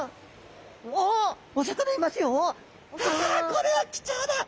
これは貴重だ。